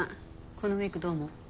このメイクどう思う？